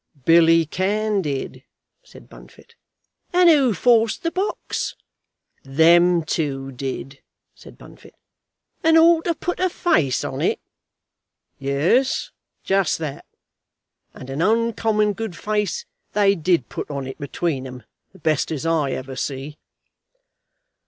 "Billy Cann did," said Bunfit. "And who forced the box?" "Them two did," said Bunfit. "And all to put a face on it?" "Yes; just that. And an uncommon good face they did put on it between 'em; the best as I ever see."